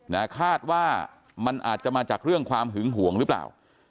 คาดว่ามันอาจจะมาจากเรื่องความหึงห่วงหรือเปล่า